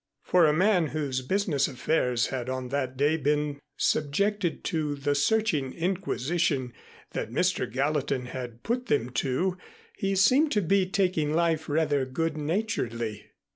For a man whose business affairs had on that day been subjected to the searching inquisition that Mr. Gallatin had put them to, he seemed to be taking life rather good naturedly.